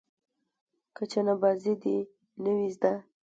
که چنه بازي دې نه وي زده.